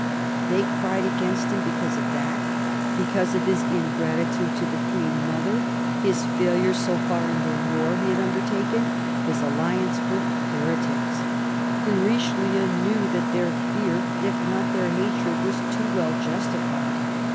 They cried against him because of that ; because of his ingratitude to the Queen mother, his failure, so far, in the war he had undertaken, his alliance with heretics. And Richelieu knew that their fear, if not their hatred, was too well justified.